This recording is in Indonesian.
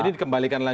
ini dikembalikan lagi